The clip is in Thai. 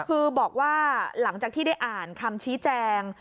คือบอกว่าหลังจากที่ได้อ่านคำชี้แจง